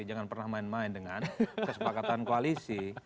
jangan pernah main main dengan kesepakatan koalisi